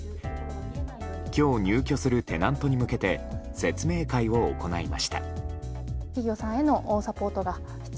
今日、入居するテナントに向けて説明会を行いました。